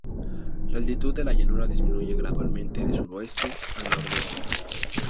La altitud de la llanura disminuye gradualmente de suroeste a nordeste.